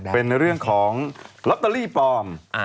เป็นเรื่องของลอตเตอรี่ปลอม